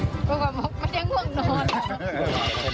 ก็บอกว่าไม่ใช่ห่วงนอนหรอก